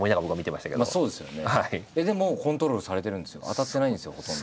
当たってないんですよほとんど。